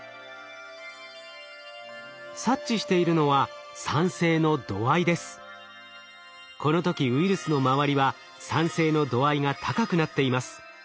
察知しているのはこの時ウイルスの周りは酸性の度合いが高くなっています。